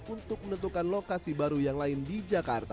untuk menentukan lokasi baru yang lain di jakarta